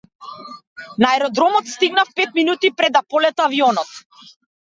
На аеродромот стигнав пет минути пред да полета авионот.